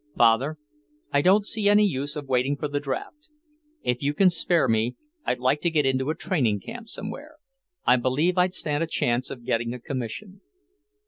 "Father, I don't see any use of waiting for the draft. If you can spare me, I'd like to get into a training camp somewhere. I believe I'd stand a chance of getting a commission."